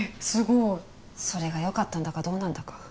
すごーいそれがよかったんだかどうなんだか